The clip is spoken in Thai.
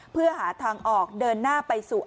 เพื่อหาทางออกเดินหน้าไปสู่